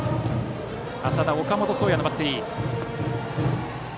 淺田と岡本壮矢のバッテリー。